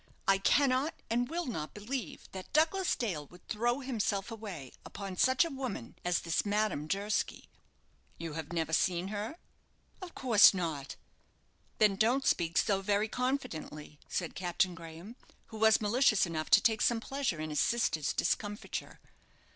I cannot and will not believe that Douglas Dale would throw himself away upon such a woman as this Madame Durski." "You have never seen her?" "Of course not." "Then don't speak so very confidently," said Captain Graham, who was malicious enough to take some pleasure in his sister's discomfiture.